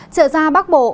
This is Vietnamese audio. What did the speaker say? trở ra bắc bộ